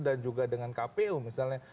dan juga dengan kpu misalnya